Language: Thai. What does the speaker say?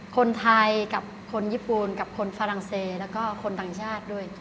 คนไทยกับคนญี่ปุ่นกับคนฝรั่งเศสแล้วก็คนต่างชาติด้วย